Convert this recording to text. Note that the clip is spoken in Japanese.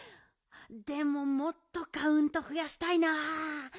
でももっとカウントふやしたいな。